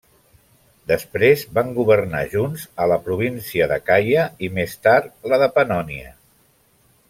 Després van governar junta la província d'Acaia i més tard la de Pannònia.